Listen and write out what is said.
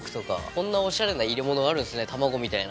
こんなオシャレな入れ物があるんですね卵みたいな。